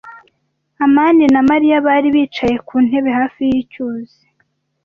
amani na Mariya bari bicaye ku ntebe hafi yicyuzi.